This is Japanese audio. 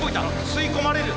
吸い込まれる。